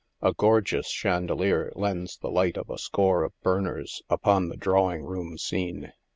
A gorgeous chandelier lends the light of a score of burn ers upon the drawing room scene.